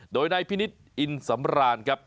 โดยในพินิศอินสำราญครับ